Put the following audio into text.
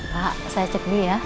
pak saya cek dulu ya